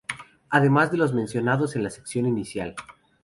Además de los mencionados en la sección inicial.